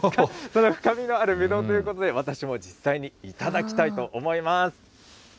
その深みのあるぶどうということで、私も実際に頂きたいと思います！